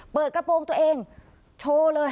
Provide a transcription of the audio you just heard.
เปิดกระโปรงตัวเองโชว์เลย